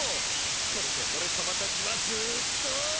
これでおれさまたちはずっと。